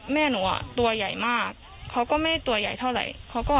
แม่หนูตัวใหญ่มากเขาก็ไม่ได้ตัวใหญ่เท่าไหร่